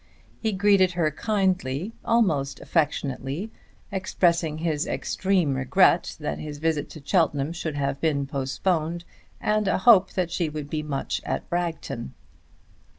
He greeted her kindly, almost affectionately, expressing his extreme regret that his visit to Cheltenham should have been postponed and a hope that she would be much at Bragton.